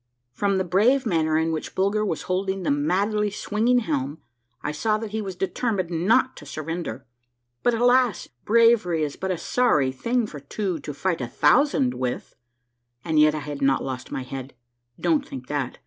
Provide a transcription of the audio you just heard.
From the brave manner in which Bulger was holding the madly swinging helm, I saw that he was determined not to surrender. But alas, bravery is but a sorry thing for two to fight a thousand with ! And yet I had not lost my head — don't think that.